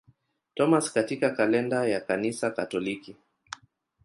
Thomas katika kalenda ya Kanisa Katoliki.